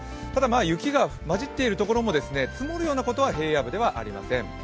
雪がまじっているところも積もるようなところは平野部ではありません。